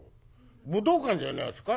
武道館じゃないですか？」。